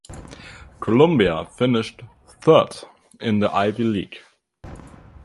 Columbia finished third in the Ivy League.